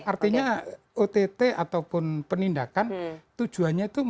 artinya ott ataupun penindakan tujuannya itu